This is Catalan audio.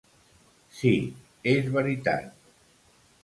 Sí, és veritat!